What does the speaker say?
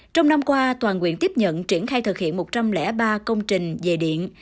trong năm qua toàn quyện tiếp nhận triển khai thực hiện một trăm linh ba công trình về điện